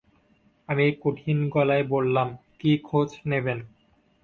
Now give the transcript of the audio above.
আমি কঠিন গলায় বললাম, কী খোঁজ নেবেন?